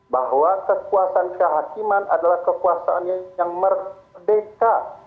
bahwa kekuasaan kehakiman adalah kekuasaannya yang merdeka